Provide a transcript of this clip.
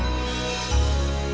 sampai jumpa lagi sayang